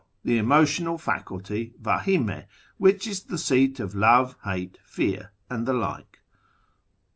The Emotional Faculty ( F(?/m?ie'), which is the seat of love, hate, fear, and the like.